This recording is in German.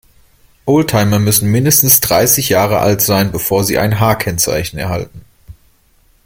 Oldtimer müssen mindestens dreißig Jahre alt sein, bevor sie ein H-Kennzeichen erhalten.